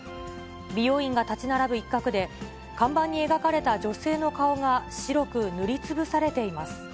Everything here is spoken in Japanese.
美容院が建ち並ぶ一角で看板に描かれた女性の顔が白く塗りつぶされています。